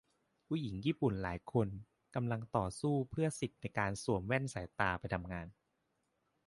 ผู้หญิงญี่ปุ่นหลายคนกำลังต่อสู้เพื่อสิทธิในการสวมแว่นสายตาไปทำงาน